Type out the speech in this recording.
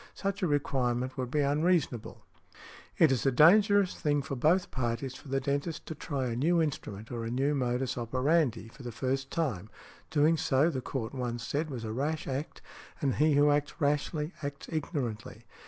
Such a requirement would be unreasonable" . It is a dangerous thing for both parties for the dentist to try a new instrument or a new modus operandi for the first time—doing so the Court once said was a rash act, and he who acts rashly acts ignorantly.